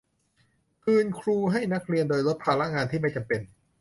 คืนครูให้นักเรียนโดยลดภาระงานที่ไม่จำเป็น